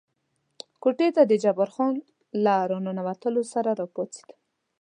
کوټې ته د جبار خان له را ننوتلو سره را پاڅېدم.